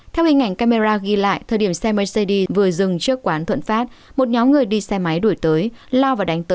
theo hình ảnh camera ghi lại thời điểm xe mercedes vừa dừng trước quán thuận phát